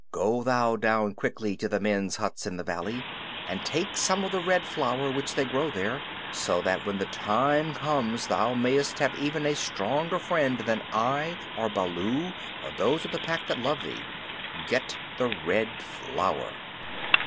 "Go thou down quickly to the men's huts in the valley, and take some of the Red Flower which they grow there, so that when the time comes thou mayest have even a stronger friend than I or Baloo or those of the Pack that love thee. Get the Red Flower."